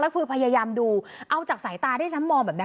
คือพยายามดูเอาจากสายตาที่ฉันมองแบบนี้